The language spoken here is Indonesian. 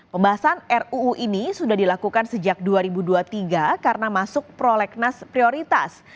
pembahasan ruu ini sudah dilakukan sejak dua ribu dua puluh tiga karena masuk prolegnas prioritas